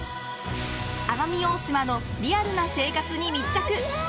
奄美大島のリアルな生活に密着。